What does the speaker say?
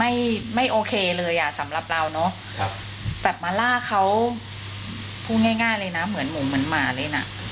ไม่ไม่โอเคเลยอ่ะสำหรับเราเนอะครับแบบมาล่าเขาพูดง่ายง่ายเลยนะเหมือนหมูเหมือนหมาเลยน่ะ